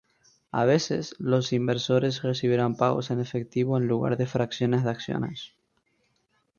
A veces, los inversores recibirán pagos en efectivo en lugar de fracciones de acciones.